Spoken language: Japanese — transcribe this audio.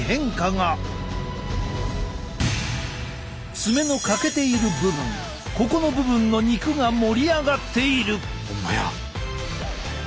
爪の欠けている部分ここの部分の肉が盛り上がっている！